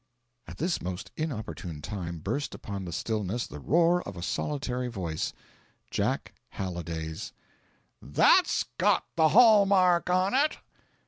At this most inopportune time burst upon the stillness the roar of a solitary voice Jack Halliday's: "THAT'S got the hall mark on it!"